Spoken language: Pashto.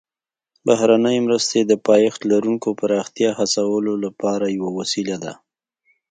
بهرنۍ مرستې د پایښت لرونکي پراختیا هڅولو لپاره یوه وسیله ده